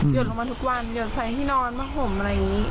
ออกมาทุกวันหยดใส่ที่นอนมาห่มอะไรอย่างนี้